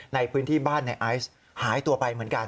ในพื้นที่บ้านในไอซ์หายตัวไปเหมือนกัน